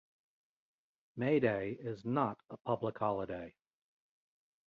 May Day is not a public holiday.